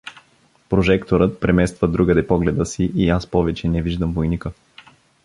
Прожекторът премества другаде погледа си и аз повече не виждам войника.